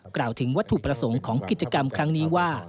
กล่าวถึงวัตถุประสงค์ของกิจกรรมครั้งนี้ว่า